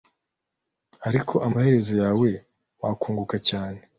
ariko amaherezo yawe wakunguka cyane